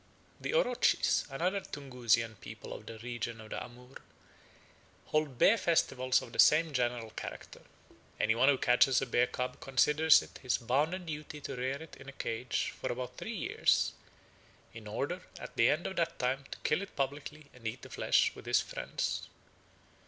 The Orotchis, another Tunguzian people of the region of the Amoor, hold bear festivals of the same general character. Any one who catches a bear cub considers it his bounden duty to rear it in a cage for about three years, in order at the end of that time to kill it publicly and eat the flesh with his friends.